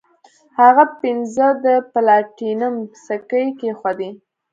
هغه پنځه د پلاټینم سکې کیښودې.